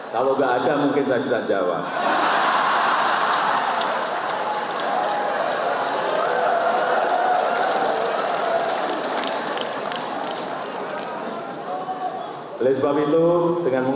kami ingin meminta ketua umum dpp partai golkar